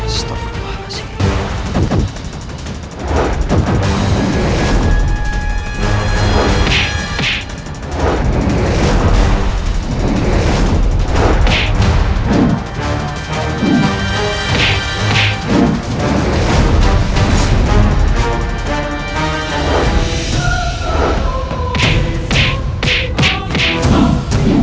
stop berbohongan hasegiri